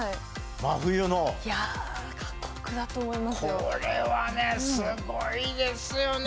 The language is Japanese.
これはねすごいですよね。